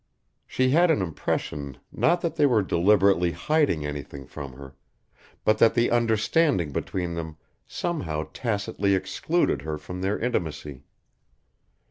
She had an impression not that they were deliberately hiding anything from her, but that the understanding between them somehow tacitly excluded her from their intimacy.